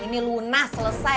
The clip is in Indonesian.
ini lunas selesai